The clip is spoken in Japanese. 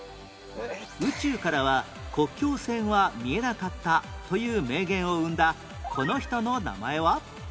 「宇宙からは国境線は見えなかった」という名言を生んだこの人の名前は？